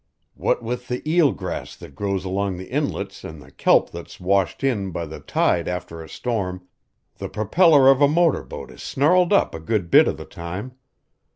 "What with the eel grass that grows along the inlets an' the kelp that's washed in by the tide after a storm, the propeller of a motor boat is snarled up a good bit of the time.